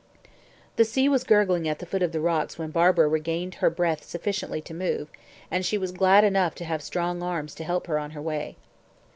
The sea was gurgling at the foot of the rocks when Barbara regained her breath sufficiently to move, and she was glad enough to have strong arms to help her on her way.